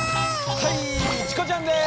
はいチコちゃんです！